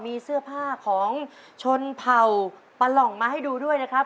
มีเสื้อผ้าของชนเผ่าปลาหล่องมาให้ดูด้วยนะครับ